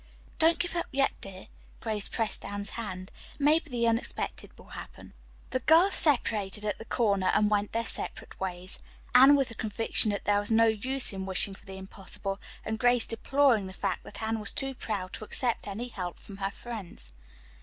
"Don't give up yet, dear," Grace pressed Anne's hand. "Maybe the unexpected will happen." The girls separated at the corner and went their separate ways, Anne with the conviction that there was no use in wishing for the impossible and Grace deploring the fact that Anne was too proud to accept any help from her friends.